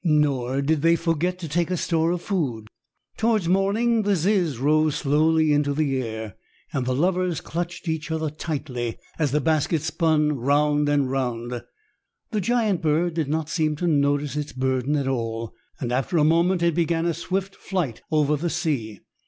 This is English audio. Nor did they forget to take a store of food. Toward morning the ziz rose slowly into the air, and the lovers clutched each other tightly as the basket spun round and round. The giant bird did not seem to notice its burden at all, and after a moment it began a swift flight over the sea.